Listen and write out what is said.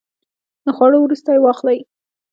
د خوړو وروسته یی واخلئ